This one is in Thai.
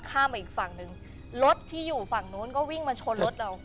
ข้ามมาอีกฝั่งหนึ่งรถที่อยู่ฝั่งนู้นก็วิ่งมาชนรถเรา